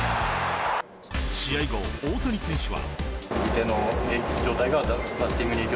試合後、大谷選手は。